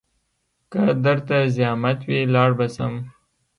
که درته زيامت وي لاړ به سم.